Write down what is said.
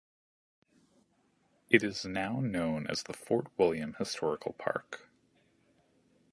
It is now known as the Fort William Historical Park.